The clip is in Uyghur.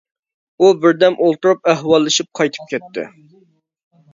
ئۇ بىردەم ئولتۇرۇپ ئەھۋاللىشىپ قايتىپ كەتتى.